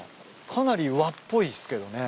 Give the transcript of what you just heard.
かなり和っぽいっすけどね。